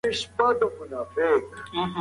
هغه یو ستر مسلمان پوه و.